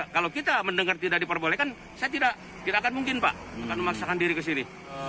kalau kita mendengar tidak diperbolehkan saya tidak akan mungkin pak akan memaksakan diri ke sini